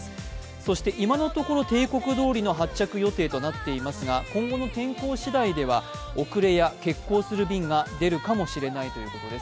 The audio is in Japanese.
そして今のところ定刻どおりの発着予定となっていますが今後の天候しだいでは遅れや欠航する便が出るかもしれないということです。